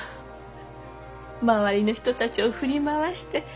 周りの人たちを振り回して。